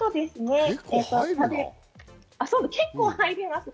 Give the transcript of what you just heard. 結構入ります。